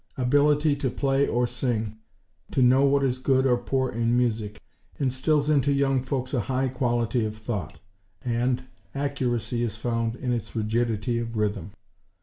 Ability to play or sing; to know what is good or poor in music, instills into young folks a high quality of thought; and, accuracy is found in its rigidity of rhythm.